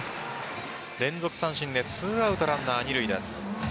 連続三振で２アウトランナー二塁です。